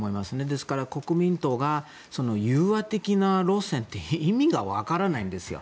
ですから、国民党の融和的な路線って意味が分からないんですよ。